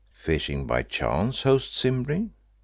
"Fishing by chance, host Simbri?"